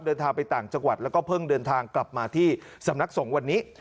เดินทางไปต่างจังหวัดแล้วก็เพิ่งเดินทางกลับมาที่สำนักสงฆ์วันนี้